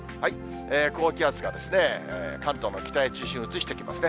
高気圧が関東の北へ中心を移してきますね。